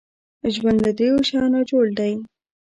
ژوند له دریو شیانو جوړ دی .